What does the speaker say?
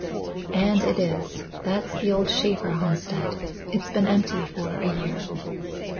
"And it is. That's the old Shaffer homestead. It's been empty for a year."